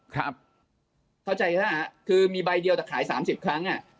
ครับเข้าใจนะคือมีใบเดียวแต่ขาย๓๐ครั้งอ่ะ